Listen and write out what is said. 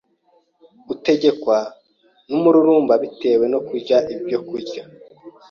Utegekwa n’umururumba bitewe no kurya ibyokurya